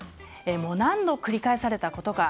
何度繰り返されたことか。